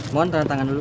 mohon tenang tangan dulu